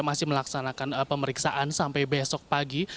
masih melaksanakan pemeriksaan sampai besok pagi